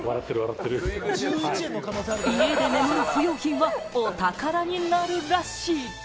家に眠る不用品はお宝になるらしい。